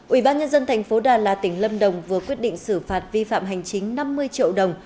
ủy ban nhân dân thành phố đà lạt tỉnh lâm đồng vừa quyết định xử phạt vi phạm hành chính năm mươi triệu đồng